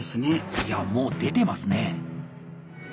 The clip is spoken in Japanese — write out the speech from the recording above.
いやもう出てますね。